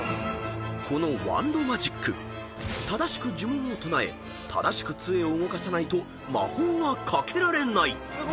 ［このワンド・マジック正しく呪文を唱え正しく杖を動かさないと魔法はかけられない］